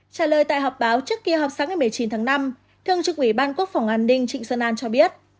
trả lời tại họp báo trước kỳ họp sáng ngày một mươi chín tháng năm thương trực ủy ban quốc phòng an ninh trịnh xuân an cho biết